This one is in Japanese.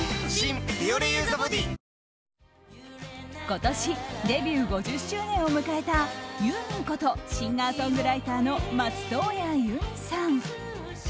今年デビュー５０周年を迎えたユーミンことシンガーソングライターの松任谷由実さん。